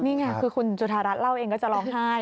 นี่ไงคือคุณจุธารัฐเล่าเองก็จะร้องไห้